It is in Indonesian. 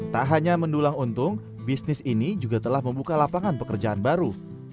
tak hanya mendulang untung bisnis ini juga telah membuka lapangan pekerjaan baru